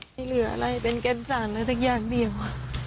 ไม่เหลืออะไรเป็นแกนสันเลยทั้งอย่างเดียว